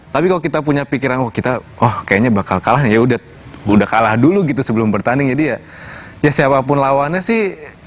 tapi kalau kita punya pikiran wah kita oh kayaknya bakal kalah ya udah kalah dulu gitu sebelum bertanding jadi ya siapapun lawannya sih